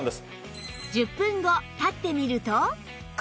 １０分後立ってみると